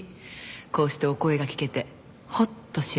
こうしてお声が聞けてホッとしました。